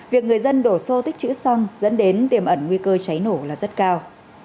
việc người dân đổ xô tích chữ xăng dẫn đến tiềm ẩn nguy cơ cháy nổ là rất cao